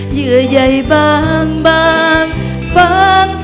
เหยื่อใยบางฟ้างเสียงใจ